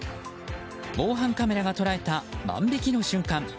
防犯カメラが捉えた万引きの瞬間。